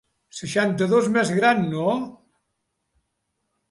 Seixanta-dos més gran, no?